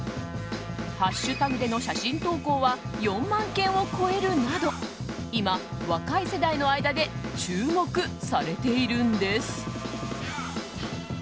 ハッシュタグでの写真投稿は４万件を超えるなど今、若い世代の間で注目されているんです。